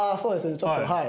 ちょっとはい。